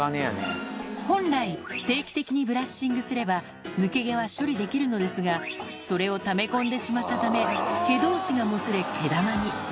本来、定期的にブラッシングすれば、抜け毛は処理できるのですが、それをため込んでしまったため、毛どうしがもつれ毛玉に。